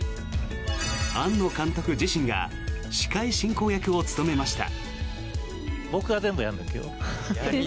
庵野監督自身が司会進行役を務めました。